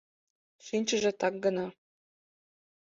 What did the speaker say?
Шинчыже так гына.